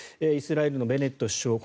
イスラエルのベネット首相